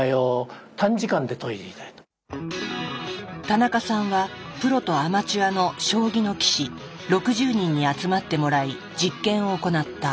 田中さんはプロとアマチュアの将棋の棋士６０人に集まってもらい実験を行った。